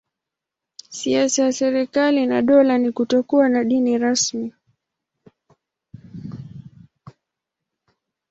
Siasa ya serikali na dola ni kutokuwa na dini rasmi.